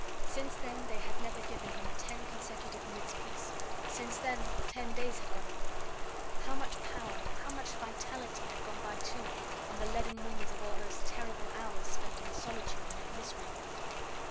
Since then they had never given him ten consecutive minutes' peace; since then ten days had gone by; how much power, how much vitality had gone by too on the leaden wings of all those terrible hours spent in solitude and in misery?